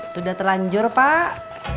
sudah terlanjur pak